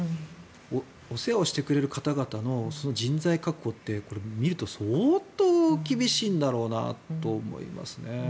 お世話をしてくれる方々の人材確保ってこれ、見ると相当厳しいんだろうなと思いますね。